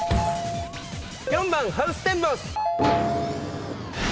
４番ハウステンボス。